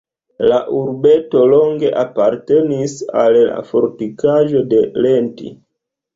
La urbeto longe apartenis al fortikaĵo de Lenti.